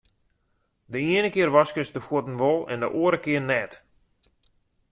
De iene kear waskest de fuotten wol en de oare kear net.